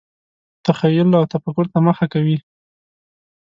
تخیل او تفکر ته مخه کوي.